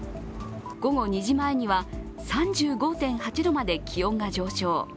午後２時前には３５．８度まで気温が上昇。